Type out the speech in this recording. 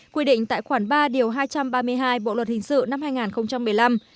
quy định tại khoản ba điều hai trăm ba mươi hai bộ luật hình sự năm hai nghìn một mươi năm